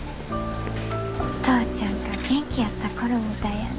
お父ちゃんが元気やった頃みたいやな。